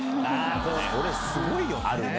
これ、すごいよね。